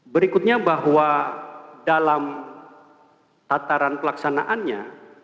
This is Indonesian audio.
berikutnya bahwa dalam tataran pelaksanaannya